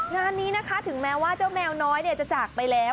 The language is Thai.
งานนี้นะคะถึงแม้ว่าเจ้าแมวน้อยจะจากไปแล้ว